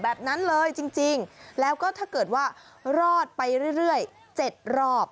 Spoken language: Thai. แบบนั้นเลยจริงแล้วก็ถ้าเกิดว่ารอดไปเรื่อย๗รอบ